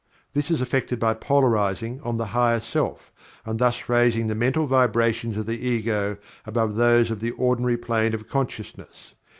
This is effected by polarizing on the Higher Self, and thus raising the mental vibrations of the Ego above those of the ordinary plane of consciousness.